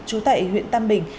chú tại huyện tam bình